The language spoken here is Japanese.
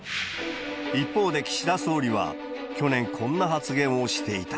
一方で岸田総理は、去年こんな発言をしていた。